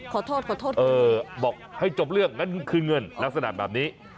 ขอโทษขอโทษเออบอกให้จบเรื่องงั้นคืนเงินลักษณะแบบนี้